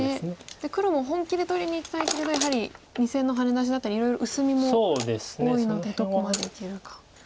で黒も本気で取りにいきたいけれどやはり２線のハネ出しだったりいろいろ薄みも多いのでどこまでいけるかですね。